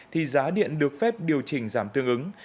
thì giá điện được phép điều chỉnh giảm tương ứng